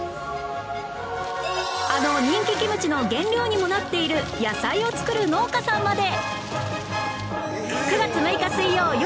あの人気キムチの原料にもなっている野菜を作る農家さんまで！